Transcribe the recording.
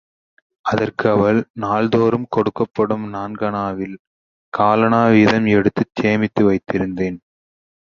அதற்கு அவள், நாள் தோறும் கொடுக்கப்படும் நான்கணாவில், காலணா வீதம் எடுத்துச் சேமித்து வைத்திருந்தேன்.